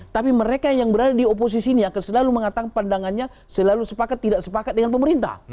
tapi mereka yang berada di oposisi ini akan selalu mengatakan pandangannya selalu sepakat tidak sepakat dengan pemerintah